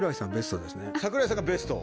櫻井さんがベスト？